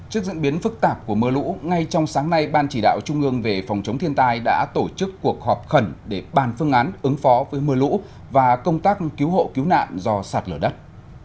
trước diễn biến phức tạp của mưa lũ ngay trong sáng nay ban chỉ đạo trung ương về phòng chống thiên tai đã tổ chức cuộc họp khẩn để bàn phương án ứng phó với mưa lũ và công tác cứu hộ cứu nạn do sạt lở đất